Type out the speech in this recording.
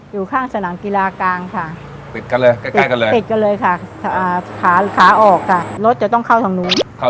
อยู่ข้างสนามกีฬากลางค่ะ